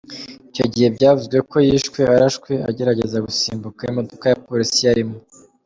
Icyo gihe byavuzwe ko yishwe arashwe agerageza gusimbuka imodoka ya polisi yarimo.